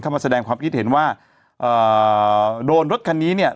มาแสดงความคิดเห็นว่าเอ่อโดนรถคันนี้เนี่ย